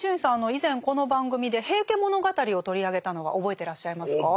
以前この番組で「平家物語」を取り上げたのは覚えてらっしゃいますか？